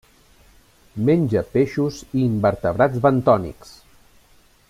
Menja peixos i invertebrats bentònics.